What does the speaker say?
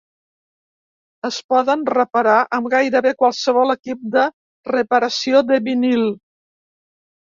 Es poden reparar amb gairebé qualsevol equip de reparació de vinil.